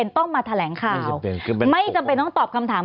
ก็เลยต้องตอบคำถาม